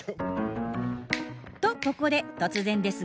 とここで突然ですが